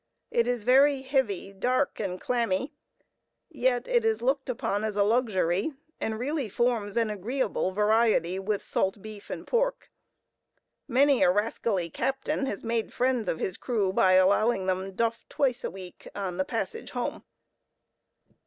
It is very heavy, dark, and clammy, yet it is looked upon as a luxury, and really forms an agreeable variety with salt beef and pork. Many a rascally captain has made friends of his crew by allowing them duff twice a week on the passage home.